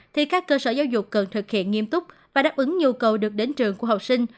thì các cơ sở giáo dục cần thực hiện nghiêm túc và đáp ứng nhu cầu được đến trường của học sinh